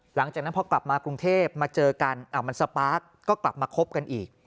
หลังจากนั้นพอกลับมากรุงเทพมาเจอกันมันสปาร์คก็กลับมาคบกันอีก